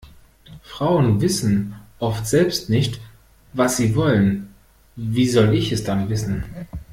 Frauen wissen oft selbst nicht, was sie wollen, wie soll ich es dann wissen?